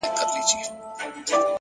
مثبت فکر د هیلو تخم کرل دي’